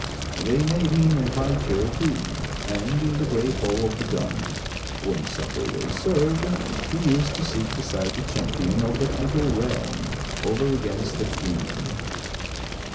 They made him a high chair too, and in the great hall of the dun, when supper was served, he used to sit beside the Champion of that little realm, over against the King.